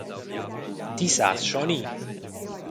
Ti sas schon ir.